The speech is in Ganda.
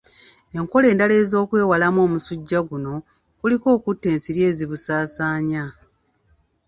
Enkola endala ez'okwewalamu omusujja guno, kuliko okutta ensiri ezibusaasaanya